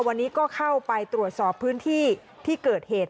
วันนี้ก็เข้าไปตรวจสอบพื้นที่ที่เกิดเหตุ